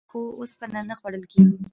غنم خوړل کیږي خو اوسپنه نه خوړل کیږي.